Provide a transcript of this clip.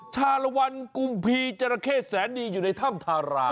ชาลวันกุมพีจราเข้แสนดีอยู่ในถ้ำทารา